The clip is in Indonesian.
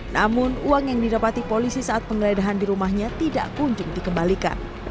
namun uang yang didapati polisi saat penggeledahan di rumahnya tidak kunjung dikembalikan